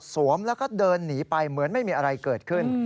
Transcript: แล้วก็เดินหนีไปเหมือนไม่มีอะไรเกิดขึ้น